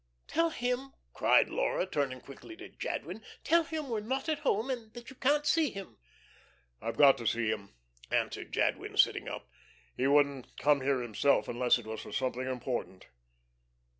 "Tell him," cried Laura, turning quickly to Jadwin, "tell him you're not at home that you can't see him." "I've got to see him," answered Jadwin, sitting up. "He wouldn't come here himself unless it was for something important."